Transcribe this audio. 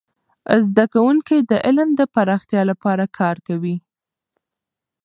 زده کوونکي د علم د پراختیا لپاره کار کوي.